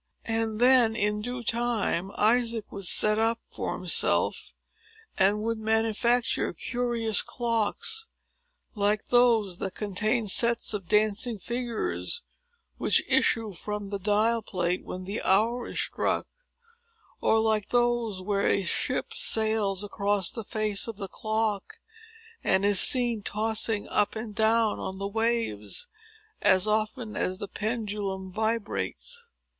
And then, in due time, Isaac would set up for himself, and would manufacture curious clocks, like those that contain sets of dancing figures, which issue from the dial plate when the hour is struck; or like those, where a ship sails across the face of the clock, and is seen tossing up and down on the waves, as often as the pendulum vibrates.